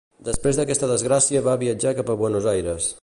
Després d'aquesta desgràcia va viatjar cap a Buenos Aires.